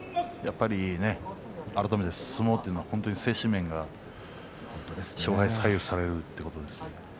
改めて相撲というのは精神面が大きく左右されるということですよね。